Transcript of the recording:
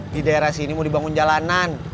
di daerah sini mau dibangun jalanan